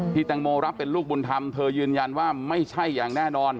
แตงโมรับเป็นลูกบุญธรรมเธอยืนยันว่าไม่ใช่อย่างแน่นอน